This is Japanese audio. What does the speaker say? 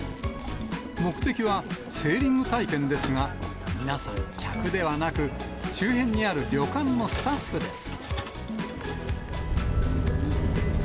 目的はセーリング体験ですが、皆さん、客ではなく周辺にある旅館のスタッフです。